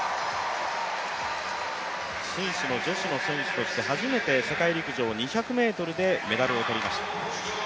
スイスの女子の選手として初めて世界陸上２００ｍでメダルをとりました。